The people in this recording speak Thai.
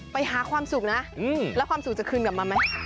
ไปหาความสุขนะแล้วความสุขจะคืนกลับมาไหม